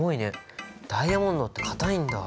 ダイヤモンドって硬いんだ。